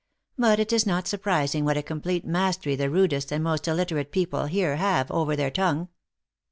But it is not surprising what a complete mastery the rudest and most illiterate people here have over their tongue."